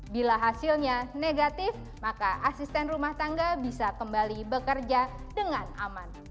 bila hasilnya negatif maka asisten rumah tangga bisa kembali bekerja dengan aman